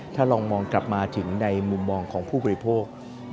ถ้าลองมองกลับมาถึงในมุมมองของผู้บริโภค